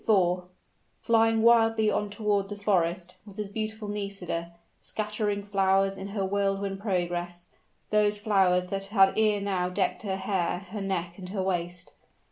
For, flying wildly on toward the forest, was his beauteous Nisida, scattering flowers in her whirlwind progress, those flowers that had ere now decked her hair, her neck and her waist.